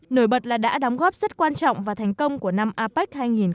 nổi bật là đã đóng góp rất quan trọng và thành công của năm apec hai nghìn hai mươi